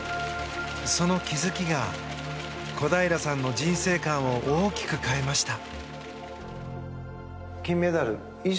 その気づきが小平さんの人生観を大きく変えました。